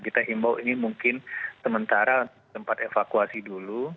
kita himbau ini mungkin sementara tempat evakuasi dulu